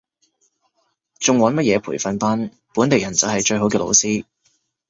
仲揾乜嘢培訓班，本地人就係最好嘅老師